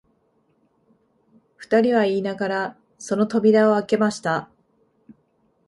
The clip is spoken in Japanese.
二人は言いながら、その扉をあけました